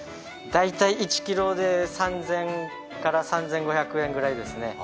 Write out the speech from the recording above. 大体１ｋｇで３０００円から３５００円くらいですね。